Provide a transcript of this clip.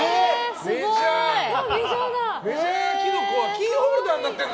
キーホルダー持ってる！